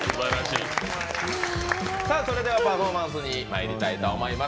それではパフォーマンスにまいりたいと思います。